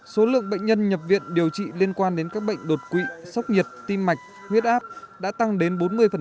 số lượng bệnh nhân nhập viện điều trị liên quan đến các bệnh đột quỵ sốc nhiệt tim mạch huyết áp đã tăng đến bốn mươi